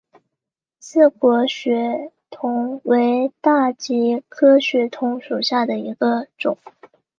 刺果血桐为大戟科血桐属下的一个种。